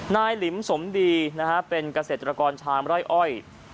หลิมสมดีนะฮะเป็นเกษตรกรชามไร่อ้อย